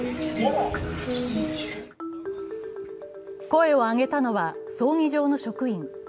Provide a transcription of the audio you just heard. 声を上げたのは葬儀場の職員。